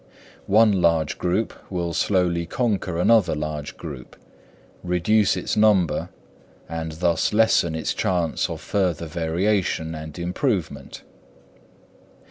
One large group will slowly conquer another large group, reduce its number, and thus lessen its chance of further variation and improvement.